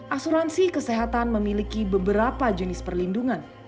asuransi kesehatan memiliki beberapa jenis perlindungan